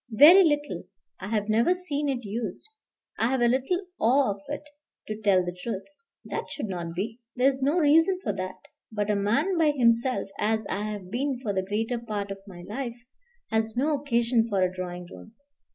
"Very little. I have never seen it used. I have a little awe of it, to tell the truth." "That should not be. There is no reason for that. But a man by himself, as I have been for the greater part of my life, has no occasion for a drawing room.